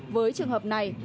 với trường hợp này